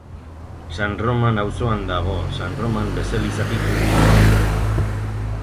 San Roman auzoan dago, San Roman baselizatik hurbil.